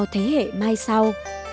thế hệ mai sau